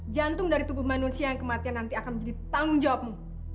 jantung dari tubuh manusia yang kematian nanti akan menjadi tanggung jawabmu